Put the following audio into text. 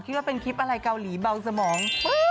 ว่าเป็นคลิปอะไรเกาหลีเบาสมอง